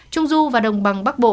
trung du và đồng bằng bắc bộ